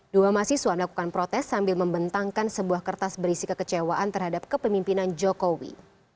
dua mahasiswa melakukan protes sambil membentangkan sebuah kertas berisi kekecewaan terhadap kepemimpinan jokowi